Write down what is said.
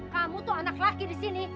kamu tuh anak laki disini